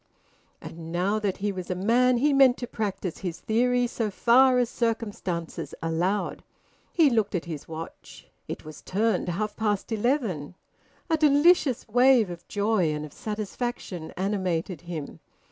And now that he was a man he meant to practise his theory so far as circumstances allowed. He looked at his watch. It was turned half past eleven. A delicious wave of joy and of satisfaction animated him.